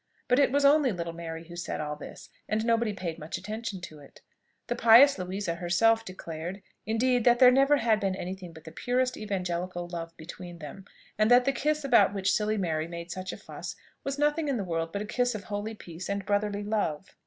But it was only little Mary who said all this, and nobody paid much attention to it. The pious Louisa herself declared, indeed, that there never had been any thing but the purest evangelical love between them; and that the kiss about which silly Mary made such a fuss, was nothing in the world but a kiss of holy peace and brotherly love.